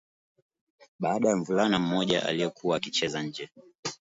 baada ya mvulana mmoja aliyekuwa akicheza nje